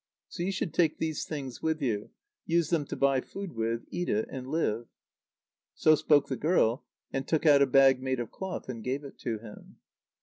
So you should take these things with you, use them to buy food with, eat it, and live." So spoke the girl, and took out a bag made of cloth, and gave it to him.